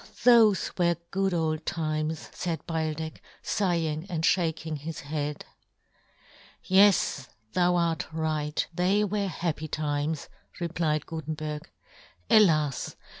thofe were good old times," faid Beildech, fighing and fhaking his head. " Yes, thou art right ; they were " happy times," replied Gutenberg. " Alas